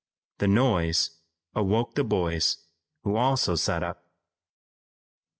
The noise awoke the boys who also sat up.